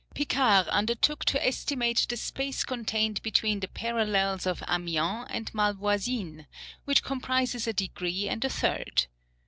Picard undertook to estimate the space contained between the parallels of Amiens and Malvoisine, which comprises a degree and a third.